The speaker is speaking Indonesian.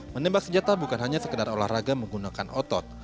menembak senjata bukan hanya sekedar olahraga menggunakan otot